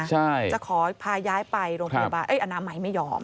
ใช่จะขอพาย้ายไปโรงพยาบาลอนามัยไม่ยอม